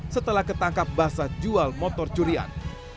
setelah ketangkap bahasa jual motor curian